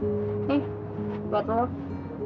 nih buat lo